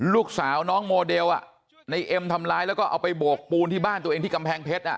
ลูกสาวน้องโมเดลในเอ็มทำร้ายแล้วก็เอาไปโบกปูนที่บ้านตัวเองที่กำแพงเพชร